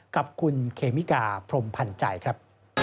กับคุณเคมิกาพรมพันธ์ใจครับ